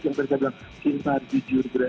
yang mereka bilang cinta jujur berani